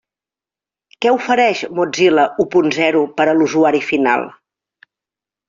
Què ofereix Mozilla u punt zero per a l'usuari final?